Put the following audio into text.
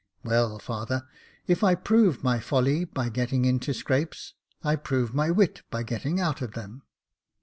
" Well, father, if I prove my folly by getting into scrapes, I prove my wit by getting out of them."